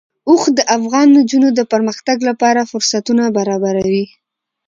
اوښ د افغان نجونو د پرمختګ لپاره فرصتونه برابروي.